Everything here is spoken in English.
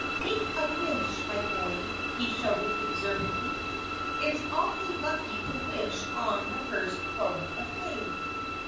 "Make a wish, my boy," he shouted exuberantly. "It's awfully lucky to wish on the first load of hay."